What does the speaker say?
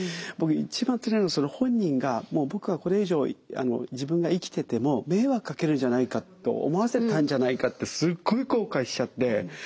僕一番つらいの本人が僕はこれ以上自分が生きてても迷惑かけるんじゃないかと思わせたんじゃないかってすっごい後悔しちゃって。